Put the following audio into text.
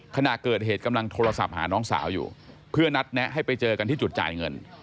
ขณะเกิดเหตุกำลังโทรศัพท์หาน้องสาวอยู่เพื่อนัดแนะให้ไปเจอกันที่จุดจ่ายเงิน